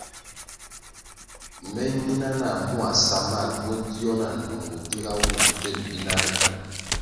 Me nyina nah mua samal bo gio na ndtungu giga wum bvil binari.